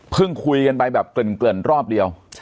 เพิ่งคุยกันไปแบบเกินเกินรอบเดียว